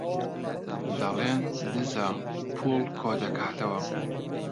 دەڵێن دزە، پووڵ کۆدەکاتەوە.